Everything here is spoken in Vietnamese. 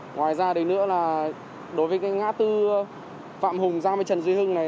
ngoài ra thì nữa là đối với cái ngã tư phạm hùng giao với trần duy hưng này